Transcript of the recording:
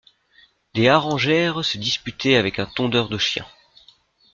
Des harengères se disputaient avec un tondeur de chiens.